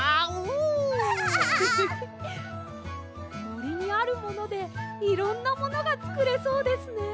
もりにあるものでいろんなものがつくれそうですね。